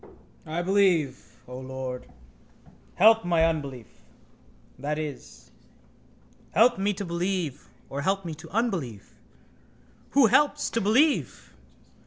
I believe, O Lord, help my unbelief. That is, help me to believe or help me to unbelieve? Who helps to believe?